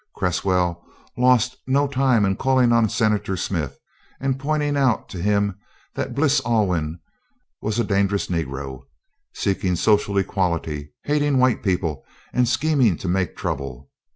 Cresswell lost no time in calling on Senator Smith and pointing out to him that Bles Alwyn was a dangerous Negro: seeking social equality, hating white people, and scheming to make trouble.